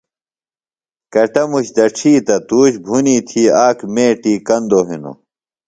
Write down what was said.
کٹموش دڇھی تہ تُوش بُھنی تھی آک مِیٹیۡ کندوۡ ہنوۡ